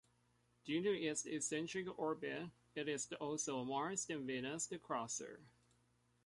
Due to its eccentric orbit, it is also a Mars and Venus-crosser.